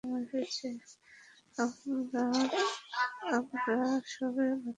আমরা সবে মাত্র এসেছি।